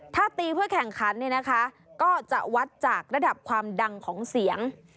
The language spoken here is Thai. ถ้าตีเพื่อแข่งขันเนี่ยนะคะก็จะวัดจากระดับความดังของเสียง